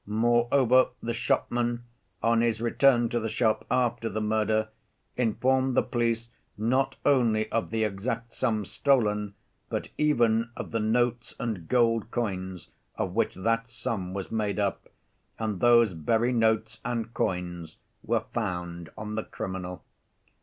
Moreover, the shopman, on his return to the shop after the murder, informed the police not only of the exact sum stolen, but even of the notes and gold coins of which that sum was made up, and those very notes and coins were found on the criminal.